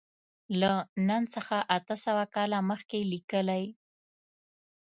له نن څخه اته سوه کاله مخکې لیکلی.